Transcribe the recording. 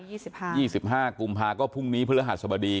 ยี่สิบห้ายี่สิบห้ากุมภาก็พรุ่งนี้พฤหัสบดี